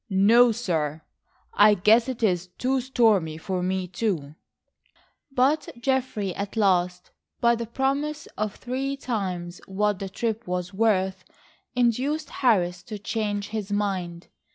No, sir, I guess it is too stormy for me, too." But Geoffrey at last, by the promise of three times what the trip was worth, induced Harris to change his mind.